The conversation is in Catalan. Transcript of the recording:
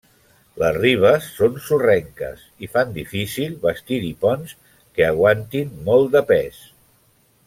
Les ribes són sorrenques i fan difícil bastir-hi ponts que aguantin molt de pes.